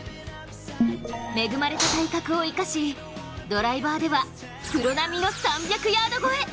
恵まれた体格を生かし、ドライバーではプロ並みの３００ヤード超え。